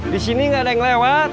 di sini nggak ada yang lewat